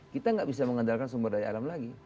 kita nggak bisa mengandalkan sumber daya alam lagi